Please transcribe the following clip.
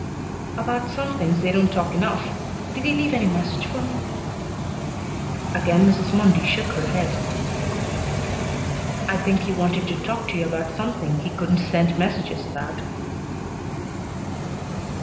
"About some things they don't talk enough. Did did he leave any message for me?" Again Mrs. Mundy shook her head. "I think he wanted to talk to you about something he couldn't send messages about."